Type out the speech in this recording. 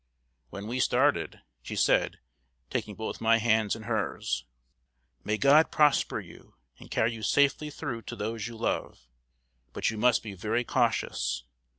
When we started, she said, taking both my hands in hers: "May God prosper you, and carry you safely through to those you love. But you must be very cautious.